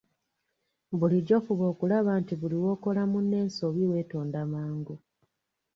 Bulijjo fuba okulaba nti buli lw'okola munno ensobi weetonda mangu.